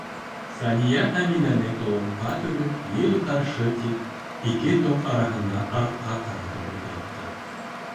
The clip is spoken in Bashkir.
Сания Әминәне толопҡа төрөп, ел ҡаршы, тип, ике тоҡ араһына артҡа ҡаратып ултыртты.